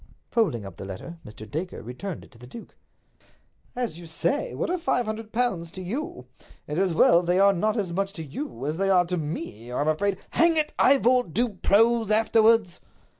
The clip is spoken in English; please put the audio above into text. Folding up the letter, Mr. Dacre returned it to the duke. "As you say, what are five hundred pounds to you? It's as well they are not as much to you as they are to me, or I'm afraid—" "Hang it, Ivor, do prose afterwards!"